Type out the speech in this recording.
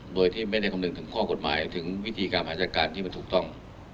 โดยที่ไม่ได้คำนึงถึงข้อกฎหมายถึงวิธีการหาจัดการที่มันถูกต้อง